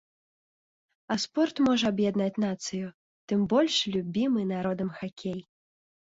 А спорт можа аб'яднаць нацыю, тым больш любімы народам хакей.